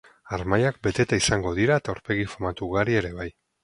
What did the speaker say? Harmailak beteta izango dira eta aurpegi famatu ugari ere bai.